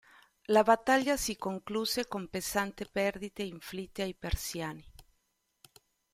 La battaglia si concluse con pesanti perdite inflitte ai Persiani.